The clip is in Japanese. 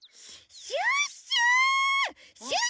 シュッシュ！